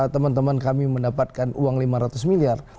teman teman kami mendapatkan uang lima ratus miliar